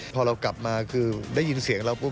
พอเรากลับมาคือได้ยินเสียงเราปุ๊